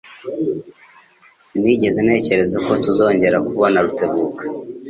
Sinigeze ntekereza ko tuzongera kubona Rutebuka.